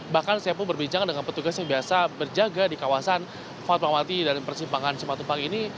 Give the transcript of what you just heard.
bahkan saya pun berbincang dengan petugas yang biasa berjaga di kawasan fatmawati dan persimpangan cimatupang ini